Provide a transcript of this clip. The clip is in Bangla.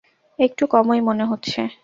একটু কমই মনে হচ্ছে।